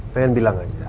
pengen bilang aja